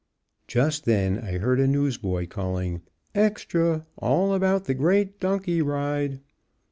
Just then I heard a newsboy calling, "EXTRA ALL ABOUT THE GREAT DONKEY RIDE."